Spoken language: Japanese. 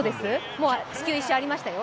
もう地球一周しましたよ。